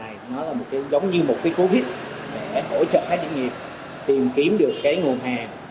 thì hỗ trợ lần này giống như một cái covid để hỗ trợ các doanh nghiệp tìm kiếm được nguồn hàng